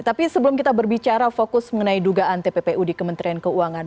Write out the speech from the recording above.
tapi sebelum kita berbicara fokus mengenai dugaan tppu di kementerian keuangan